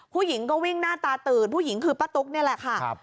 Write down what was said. ผู้หญิงก็วิ่งหน้าตาตื่นผู้หญิงคือป้าตุ๊กนี่แหละค่ะ